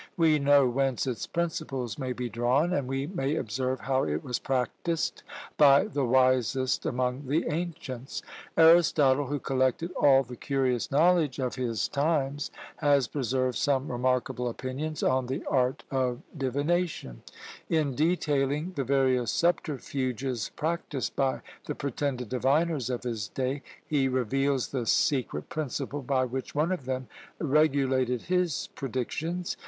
We know whence its principles may be drawn; and we may observe how it was practised by the wisest among the ancients. Aristotle, who collected all the curious knowledge of his times, has preserved some remarkable opinions on the art of divination. In detailing the various subterfuges practised by the pretended diviners of his day, he reveals the secret principle by which one of them regulated his predictions.